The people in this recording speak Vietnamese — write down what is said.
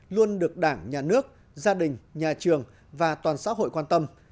luôn được đảng nhà nước gia đình nhà trường và toàn xã hội quan tâm